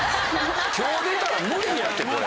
今日出たら無理やってこれ。